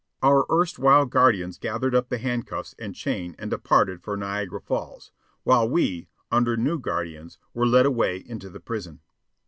Our erstwhile guardians gathered up the handcuffs and chain and departed for Niagara Falls, while we, under new guardians, were led away into the prison.